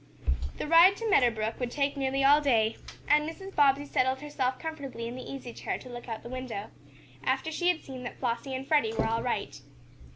The ride to Meadow Brook would take nearly all day, and Mrs. Bobbsey settled herself comfortably in the easy chair to look out of the window, after she had seen that Flossie and Freddie were all right.